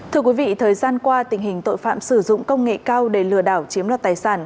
thưa quý vị thời gian qua tình hình tội phạm sử dụng công nghệ cao để lừa đảo chiếm đoạt tài sản